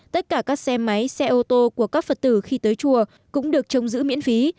tất cả các xe máy xe ô tô của các phật tử khi tới chùa cũng được trông giữ miễn phí